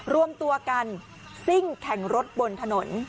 รวมตัวกันซิ่งแข่งรถบนถนน